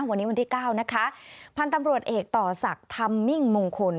วันนี้วันที่เก้านะคะพันธุ์ตำรวจเอกต่อศักดิ์ธรรมมิ่งมงคล